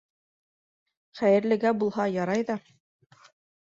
Хәйерлегә булһа ярай ҙа...